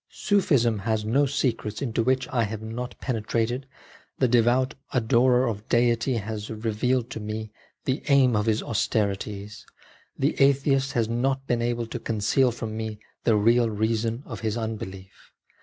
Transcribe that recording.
Sufism has no secrets into which I have not penetrated ; the devout adorer of Deity has" vealed to me the aim of his austerities ; the atheist has not been able to conceal from me the real reason of his unbelief